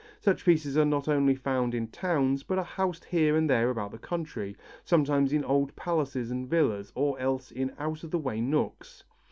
Such pieces are not only found in towns but are housed here and there about the country, sometimes in old palaces and villas, or else in out of the way nooks.